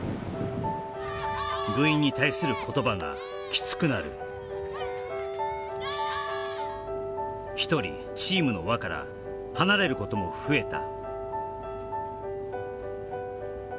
部員に対する言葉がキツくなる一人チームの輪から離れることも増えた